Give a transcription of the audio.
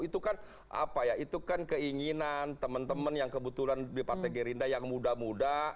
itu kan apa ya itu kan keinginan teman teman yang kebetulan di partai gerindra yang muda muda